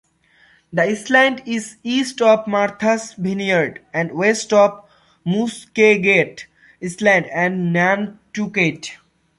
The island is east of Martha's Vineyard and west of Muskeget Island and Nantucket.